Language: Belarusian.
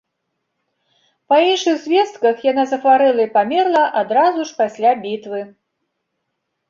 Па іншых звестках, яна захварэла і памерла адразу ж пасля бітвы.